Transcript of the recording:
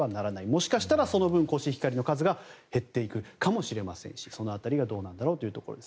もしかしたらその分コシヒカリの数が減っていくかもしれませんしその辺りがどうなんだろうと。